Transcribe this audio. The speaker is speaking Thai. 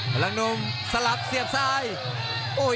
พลังนมสลับเหลี่ยมซ้าย